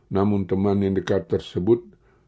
namun teman yang dekat tersebut